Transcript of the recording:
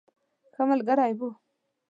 ښه ملګری وو.